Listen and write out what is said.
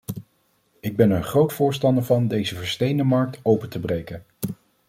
Ik ben er een groot voorstander van deze versteende markt open te breken.